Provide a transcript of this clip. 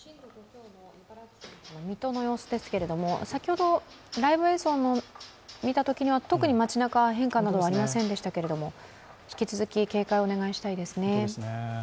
水戸の様子ですけれども、先ほどライブ映像を見たときには特に町なか、変化などはありませんでしたけれども引き続き警戒をお願いしたいですね。